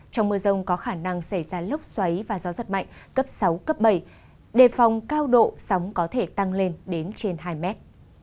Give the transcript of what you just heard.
trong mưa rông có khả năng xảy ra lốc xoáy và gió giật mạnh cấp sáu cấp bảy đề phòng cao độ sóng có thể tăng lên đến trên hai mét